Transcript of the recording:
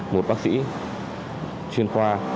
một bác sĩ chuyên khoa